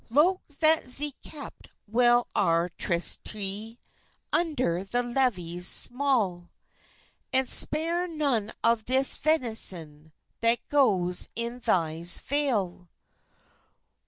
.. "Loke that ze kepe wel our tristil tre Vnder the levys smale, And spare non of this venyson That gose in thys vale."